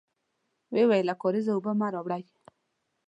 ويې ويل: له کارېزه اوبه مه راوړی!